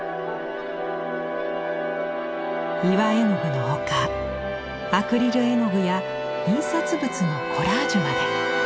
岩絵の具の他アクリル絵の具や印刷物のコラージュまで。